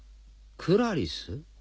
クラリス？